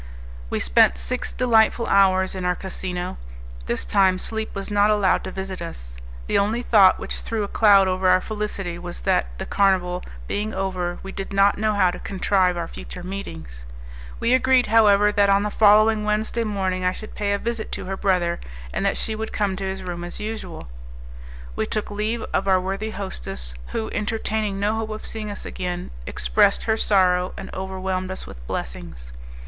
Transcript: We spent six delightful hours in our casino; this time sleep was not allowed to visit us. The only thought which threw a cloud over our felicity was that, the carnival being over, we did not know how to contrive our future meetings. We agreed, however, that on the following Wednesday morning I should pay a visit to her brother, and that she would come to his room as usual. We took leave of our worthy hostess, who, entertaining no hope of seeing us again, expressed her sorrow and overwhelmed us with blessings.